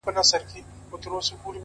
ه زه د دوو مئينو زړو بړاس يمه!!